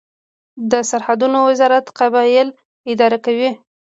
د سرحدونو وزارت قبایل اداره کوي